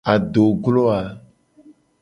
Adoglo a.